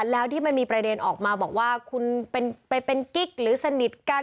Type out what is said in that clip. แล้วที่มันมีประเด็นออกมาบอกว่าคุณไปเป็นกิ๊กหรือสนิทกัน